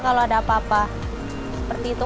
kalau ada apa apa